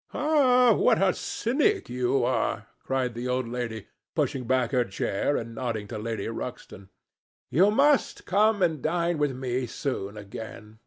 "Ah! what a cynic you are!" cried the old lady, pushing back her chair and nodding to Lady Ruxton. "You must come and dine with me soon again.